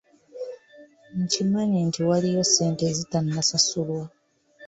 Nkimanyi nti waliyo ssente ezitanasasulwa.